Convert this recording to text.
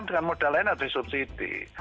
dengan modal lain harus disubsidi